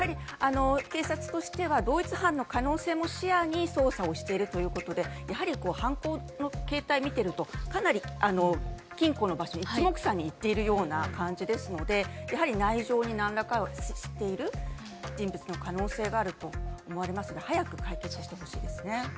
警察としては同一犯の可能性も視野に捜査をしているということで、やはり犯行の形態を見ていると、かなり金庫の場所に一目散に行っているような感じですので、内情に何らか接している人物の可能性があると思われますが、早く解決してほしいですね。